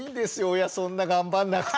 親そんな頑張んなくて！